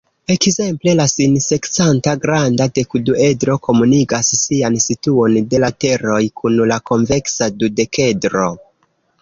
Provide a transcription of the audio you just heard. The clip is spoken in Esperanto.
Ekzemple la sin-sekcanta granda dekduedro komunigas sian situon de lateroj kun la konveksa dudekedro.